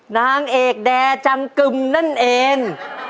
นางเอกแด่จำกึมนั่นเอง